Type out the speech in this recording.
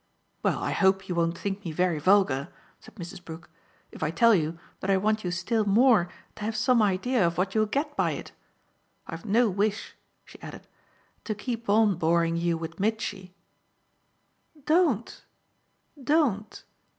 "Well, I hope you won't think me very vulgar," said Mrs. Brook, "if I tell you that I want you still more to have some idea of what you'll get by it. I've no wish," she added, "to keep on boring you with Mitchy " "Don't, don't!"